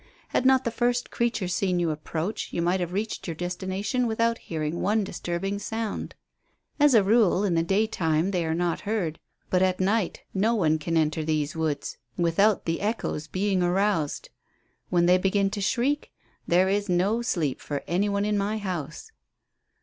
Had not the first creature seen you approach you might have reached your destination without hearing one disturbing sound. As a rule, in the daytime, they are not heard, but at night no one can enter these woods without the echoes being aroused. When they begin to shriek there is no sleep for any one in my house."